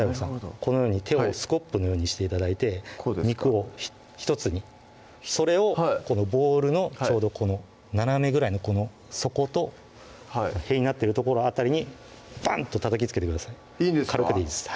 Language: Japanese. このように手をスコップのようにして頂いて肉を１つにそれをこのボウルのちょうどこの斜めぐらいのこの底とへりになってる所辺りにバン！とたたきつけてくださいいいんですか？